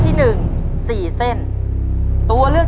ต้นไม้ประจำจังหวัดระยองการครับ